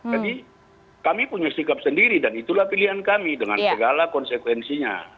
jadi kami punya sikap sendiri dan itulah pilihan kami dengan segala konsekuensinya